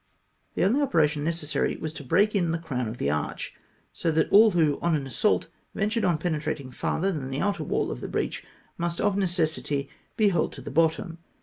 The only operation necessary was to break in the crown of the arch, so that aU who on an assault ven tured on penetrating farther than the outer wall of the breach, must of necessity be hurled to the bottom.